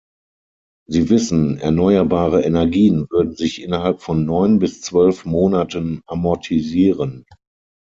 Sie wissen, erneuerbare Energien würden sich innerhalb von neun bis zwölf Monaten amortisieren.